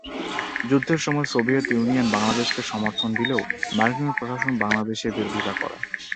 যুদ্ধের সময় Soviet Union বাংলাদেশকে সমর্থন দিলেও মার্কিন প্রশাসন বাংলাদেশের বিরোধিতা করে।